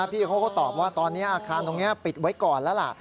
พี่เขาก็ตอบว่าตอนนี้อาคารตรงนี้ปิดไว้ก่อนแล้วล่ะ